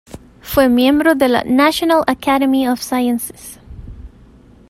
Fue miembro de la National Academy of Sciences.